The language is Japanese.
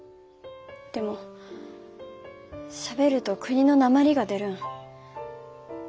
でもしゃべると国のなまりが出るん。